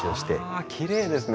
あきれいですね。